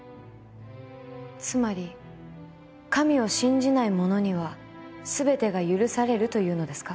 つまり神を信じない者には全てが許されるというのですか？